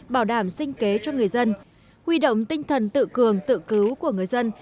bảo đảm sinh kế cho người dân huy động tinh thần tự cường tự cứu của người dân